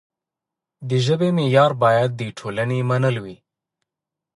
د ژبې معیار باید د ټولنې منل وي.